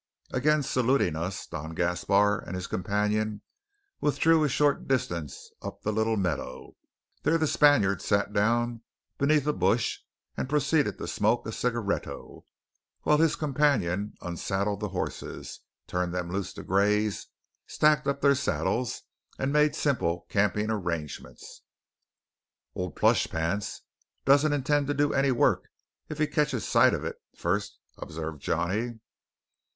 Again saluting us, Don Gaspar and his companion withdrew a short distance up the little meadow. There the Spaniard sat down beneath a bush and proceeded to smoke a cigaretto, while his companion unsaddled the horses, turned them loose to graze, stacked up their saddles, and made simple camping arrangements. "Old Plush Pants doesn't intend to do any work if he catches sight of it first," observed Johnny.